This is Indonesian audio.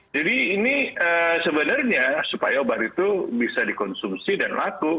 jadi ini sebenarnya supaya obat itu bisa dikonsumsi dan laku